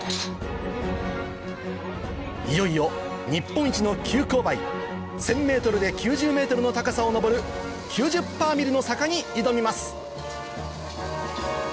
いよいよ日本一の急勾配１０００ｍで９０ｍの高さを上る９０‰の坂に挑みます